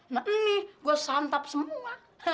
nah ini gue santap semua